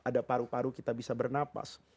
ada paru paru kita bisa bernapas